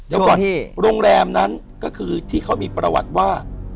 แล้วก็โรงแรมนั้นก็คือที่เขามีประวัติว่า